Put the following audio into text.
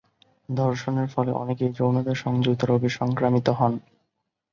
ধর্ষণের ফলে অনেকেই যৌনতা সংযুক্ত রোগে সংক্রামিত হন।